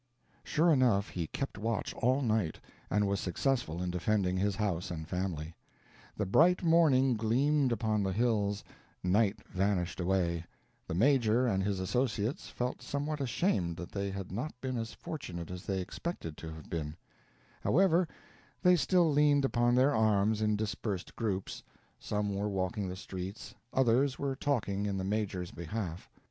Sure enough, he kept watch all night, and was successful in defending his house and family. The bright morning gleamed upon the hills, night vanished away, the Major and his associates felt somewhat ashamed that they had not been as fortunate as they expected to have been; however, they still leaned upon their arms in dispersed groups; some were walking the streets, others were talking in the Major's behalf.